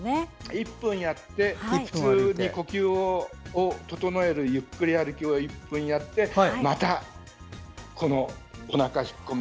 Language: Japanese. １分やって普通に呼吸を整えるゆっくり歩きを１分やってまた、おなか引っこめ